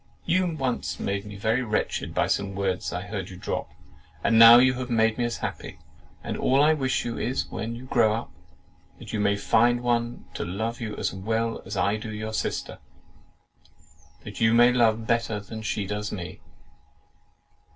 You once made me very wretched by some words I heard you drop, and now you have made me as happy; and all I wish you is, when you grow up, that you may find some one to love you as well as I do your sister, and that you may love better than she does me!"